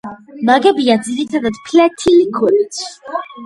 ნაგებია ძირითადად ფლეთილი ქვით.